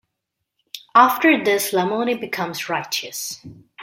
After this, Lamoni becomes righteous.